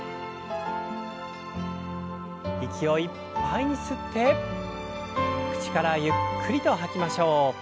息をいっぱいに吸って口からゆっくりと吐きましょう。